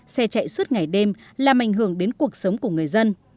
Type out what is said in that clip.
xe chạy suốt ngày đêm làm ảnh hưởng đến cuộc sống của người dân